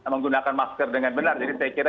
menggunakan masker dengan benar jadi saya kira